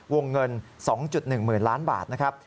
วงเงิน๒๑๐๐๐ล้านบาทนะครับ